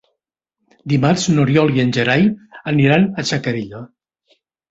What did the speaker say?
Dimarts n'Oriol i en Gerai aniran a Xacarella.